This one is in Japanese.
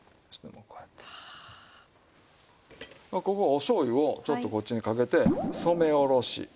ここお醤油をちょっとこっちにかけて染めおろし。